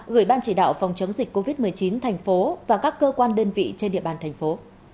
gửi ban chỉ đạo phòng chống dịch covid một mươi chín thành phố và các cơ quan đơn vị trên địa bàn thành phố